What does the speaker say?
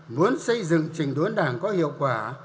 muốn xây dựng trình đốn đảng có hiệu quả